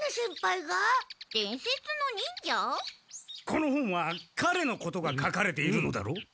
この本はかれのことが書かれているのだろう？